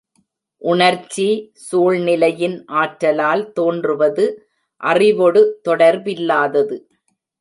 உணர்ச்சி, சூழ்நிலையின் ஆற்றலால் தோன்றுவது அறிவொடு தொடர்பில்லாதது.